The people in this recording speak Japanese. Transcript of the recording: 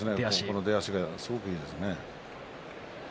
この出足がすごくいいですね。